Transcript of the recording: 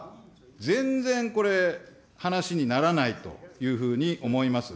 全然これ、話にならないというふうに思います。